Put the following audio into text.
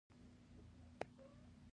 اخوا دوه نورې څوکۍ وازه خوله پاتې شوې وې.